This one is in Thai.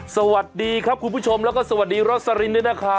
สวัสดีครับคุณผู้ชมแล้วก็สวัสดีรสลินด้วยนะครับ